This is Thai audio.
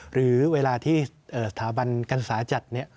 หรือเวลาที่สถาบันกษาจัดเนี่ย